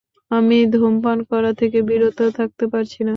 আমি ধূমপান করা থেকে বিরত থাকতে পারছি না!